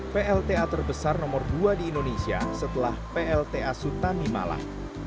plta terbesar nomor dua di indonesia setelah plta sutanimalah